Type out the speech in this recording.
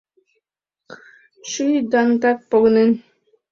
Шӱй даҥытак погынен.